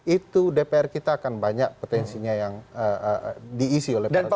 itu dpr kita akan banyak potensinya yang diisi oleh para peserta